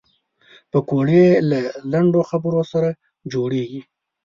پکورې له لنډو خبرو سره جوړېږي